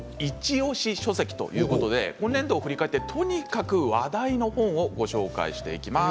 おし書籍ということで今年度を振り返ってとにかく話題の本をご紹介します。